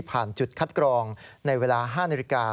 จุดคัดกรองในเวลา๕นาฬิกา